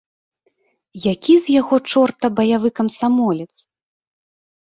Які з яго чорта баявы камсамолец?